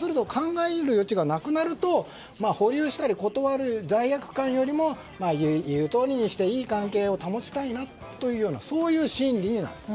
そうすると保留したり、断る罪悪感よりも言うとおりにしていい関係を保ちたいなというそういう心理になると。